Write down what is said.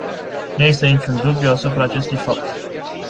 Nu există niciun dubiu asupra acestui fapt.